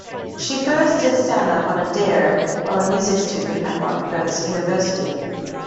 She first did stand-up on a dare while a music student at Rutgers University.